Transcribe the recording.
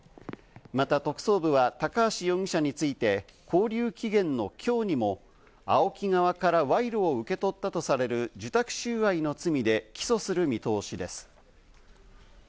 また特捜部は高橋容疑者について、勾留期限の今日にもＡＯＫＩ側から賄賂を受け取ったとされる受託収賄の罪で起訴する見通しです。